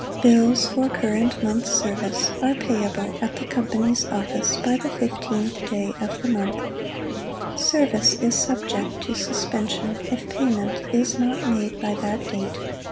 Bills for Current Months' Service are payable at the Company's Office by the 15th day of the month. Service is subject to suspension if payment is not made by that date.